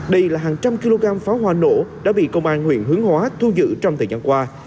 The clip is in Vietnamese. đây là hàng trăm kg pháo hoa nổ đã bị công an huyện hướng hóa thu giữ trong thời gian qua